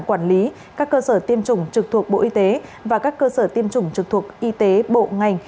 quản lý các cơ sở tiêm chủng trực thuộc bộ y tế và các cơ sở tiêm chủng trực thuộc y tế bộ ngành